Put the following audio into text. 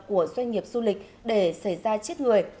của doanh nghiệp du lịch để xảy ra chết người